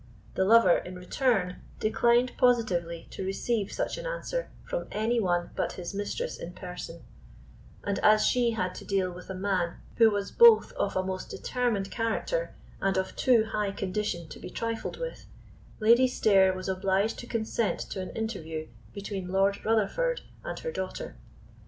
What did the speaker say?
The lover, in return, declined positively to receive such an answer from any one but his mistress in person; and as she had to deal with a man who was both of a most determined character and of too high condition to be trifled with, Lady Stair was obliged to consent to an interview between Lord Rutherford and her daughter.